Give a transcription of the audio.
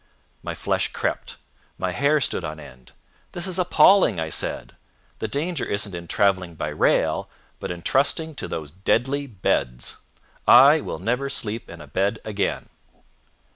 My flesh crept, my hair stood on end. "This is appalling!" I said. "The danger isn't in traveling by rail, but in trusting to those deadly beds. I will never sleep in a bed again."